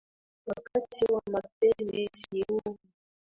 Wakati wa mapenzi si huu.